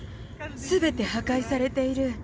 すべて破壊されている。